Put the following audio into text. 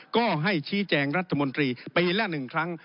ก็ให้ชี้แจงรัฐมนตรีปีละ๑ครั้ง